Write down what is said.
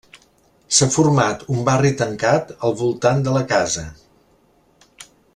S'ha format un barri tancat al voltant de la casa.